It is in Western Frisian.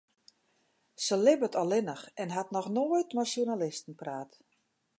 Sy libbet allinnich en hat noch noait mei sjoernalisten praat.